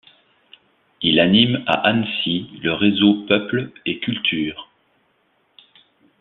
Il anime à Annecy le réseau Peuple et culture.